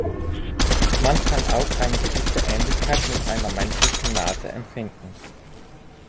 Man kann auch eine gewisse Ähnlichkeit mit einer menschlichen Nase empfinden.